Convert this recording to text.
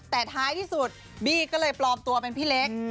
แต่ท้ายที่สุดบี้ก็เลยปลอมตัวเป็นพี่เล็ก